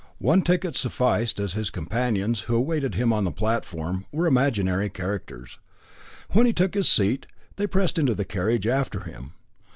One ticket sufficed, as his companions, who awaited him on the platform, were imaginary characters. When he took his seat, they pressed into the carriage after him.